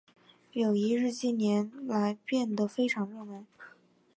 友谊日近年来变得非常热门。